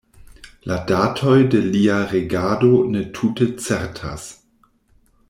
La datoj de lia regado ne tute certas.